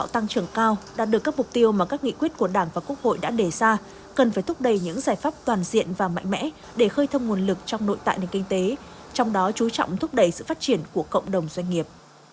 trong đó chú trọng thúc đẩy sự phát triển của cộng đồng doanh nghiệp